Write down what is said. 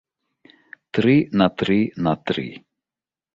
Тры на тры на тры.